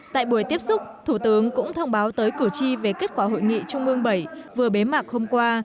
tại buổi tiếp xúc thủ tướng cũng thông báo tới cử tri về kết quả hội nghị trung ương bảy vừa bế mạc hôm qua